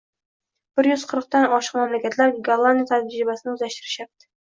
bir yuz qirqdan oshiq mamlakatlar Gollandiya tajribasini o‘zlashtirishyapti.